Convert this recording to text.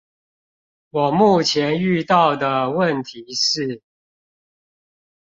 我目前遇到的問題是